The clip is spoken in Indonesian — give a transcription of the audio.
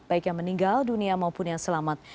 baik yang meninggal dunia maupun yang selamat